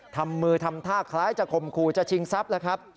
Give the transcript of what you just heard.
ทำมือทำท่าคล้ายจะขมครูจะชิงซับละครับ